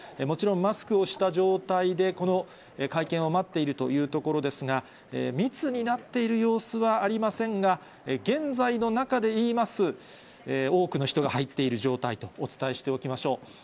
もちろん、マスクをした状態で、この会見を待っているというところですが、密になっている様子はありませんが、現在の中でいいます、多くの人が入っている状態とお伝えしておきましょう。